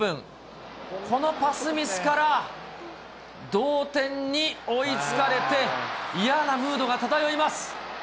このパスミスから、同点に追いつかれて、嫌なムードが漂います。